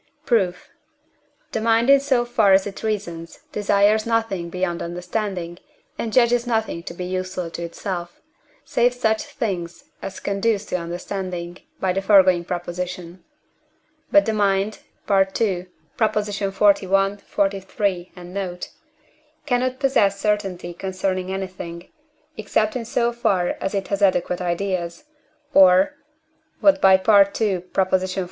Proof. The mind, in so far as it reasons, desires nothing beyond understanding, and judges nothing to be useful to itself, save such things as conduce to understanding (by the foregoing Prop.). But the mind (II. xli., xliii. and note) cannot possess certainty concerning anything, except in so far as it has adequate ideas, or (what by II. xl.